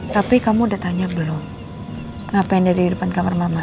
tapi kamu udah tanya belum ngapain dari depan kamar mama